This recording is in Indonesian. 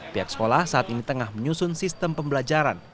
pihak sekolah saat ini tengah menyusun sistem pembelajaran